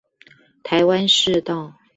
臺灣市道